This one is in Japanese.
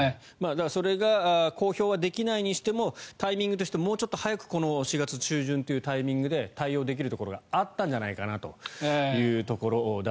それが公表はできないにしてもタイミングとしてもうちょっと早く４月中旬というところで対応できるところがあったんじゃないかということです。